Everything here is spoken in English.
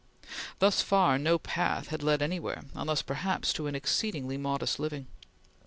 Thus far, no path had led anywhere, unless perhaps to an exceedingly modest living.